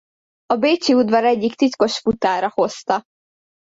A bécsi udvar egyik titkos futára hozta.